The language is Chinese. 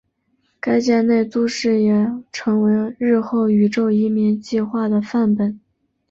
该舰内都市也成为日后宇宙移民计画的范本。